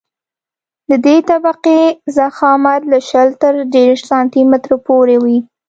د دې طبقې ضخامت له شل تر دېرش سانتي مترو پورې وي